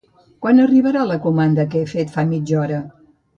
Quan arribarà la comanda que he fet fa mitja hora?